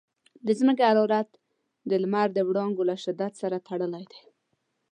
د ځمکې حرارت د لمر د وړانګو له شدت سره تړلی دی.